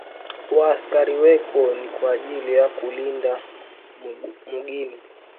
Wa askari weko ni kwa ajili ya kulinda mugini